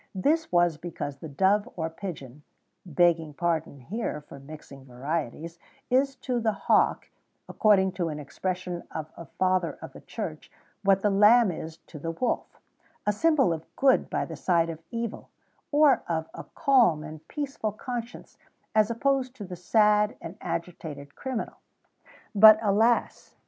[XVII 87] This was because the dove or pigeon (begging pardon, here, for mixing varieties) is to the hawk, according to an expression of a father of the Church, what the lamb is to the wolf,[XVII 88] a symbol of good by the side of evil, or of a calm and peaceful conscience, as opposed to the sad and agitated criminal. But, alas!